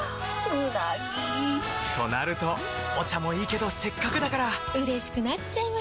うなぎ！となるとお茶もいいけどせっかくだからうれしくなっちゃいますか！